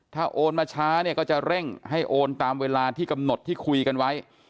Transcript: ถ้าโอนมาช้าเนี่ยก็จะเร่งให้โอนตามเวลาที่กำหนดที่คุยกันไว้